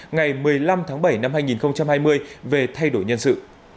ngày một mươi năm tháng bảy năm hai nghìn hai mươi về thay đổi nhân sự